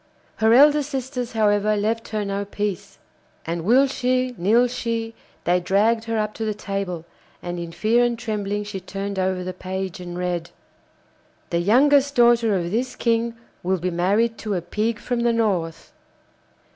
Her elder sisters however left her no peace, and will she, nill she, they dragged her up to the table, and in fear and trembling she turned over the page and read: 'The youngest daughter of this King will be married to a pig from the North.